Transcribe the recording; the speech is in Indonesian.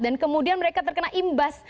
dan kemudian mereka terkena imbas